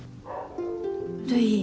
るい。